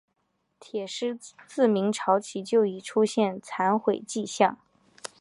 铁狮自明朝起就已出现残毁迹象。